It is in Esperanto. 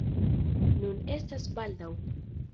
Nun estas baldaŭ!